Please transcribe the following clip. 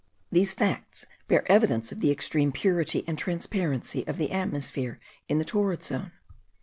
These facts bear evidence of the extreme purity and transparency of the atmosphere in the torrid zone.